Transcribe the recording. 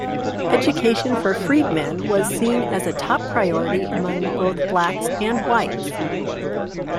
Education for freedmen was seen as a top priority among both blacks and whites.